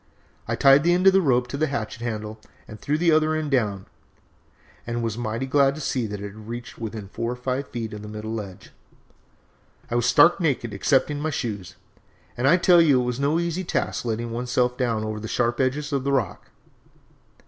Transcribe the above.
I tied the end of the rope to the hatchet handle and threw the other end down, and was mighty glad to see that it reached within four or five feet of the middle ledge. "I was stark naked excepting my shoes, and I tell you it was no easy task letting one's self down over the sharp edges of the rock.